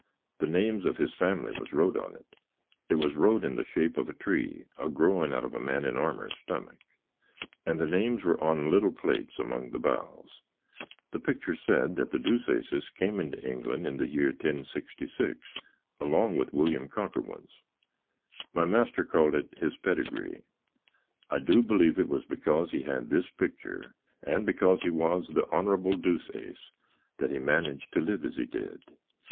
The names of his family was wrote on it: it was wrote in the shape of a tree, a groin out of a man in armer's stomick, and the names were on little plates among the bows. The pictur said that the Deuceaces kem into England in the year 1066, along with William Conqueruns. My master called it his podygree. I do bleev it was because he had this pictur, and because he was the Honrabble Deuceace, that he mannitched to live as he did.